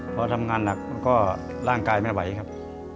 พอทำงานหนักก็ร่างกายไม่ไหวครับ